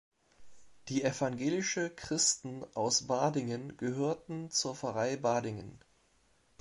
Die evangelische Christen aus Badingen gehörten zur Pfarrei Badingen.